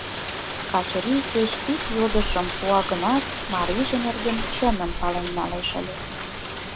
Качырий кеч ик йодышым пуа гынат, марийже нерген чыным пален налеш ыле.